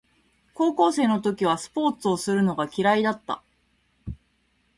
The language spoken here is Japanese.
高校生の時はスポーツをするのが嫌いだった